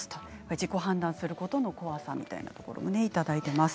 自己判断することの怖さみたいなところもいただいています。